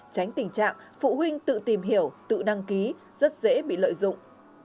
tránh tình trạng phụ huynh tự tìm hiểu tự đăng ký rất dễ bị lợi dụng